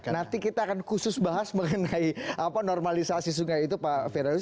nanti kita akan khusus bahas mengenai normalisasi sungai itu pak firdaus